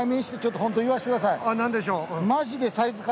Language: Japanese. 何でしょう？